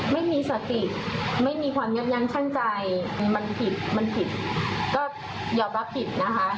ไม่มีสติไม่มีความยับยั้งชั่งใจมันผิดมันผิดก็ยอมรับผิดนะคะ